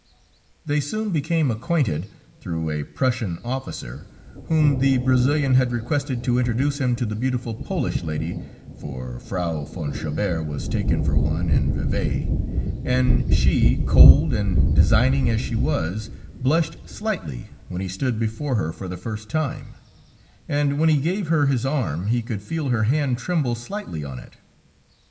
They soon became acquainted, through a Prussian officer, whom the Brazilian had requested to introduce him to the beautiful Polish lady for Frau von Chabert was taken for one in Vevey and she, cold and designing as she was, blushed slightly when he stood before her for the first time; and when he gave her his arm he could feel her hand tremble slightly on it.